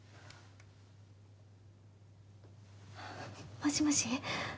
もしもし。